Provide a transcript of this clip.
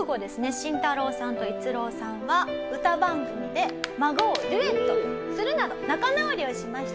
シンタロウさんと逸郎さんは歌番組で『孫』をデュエットするなど仲直りをしました。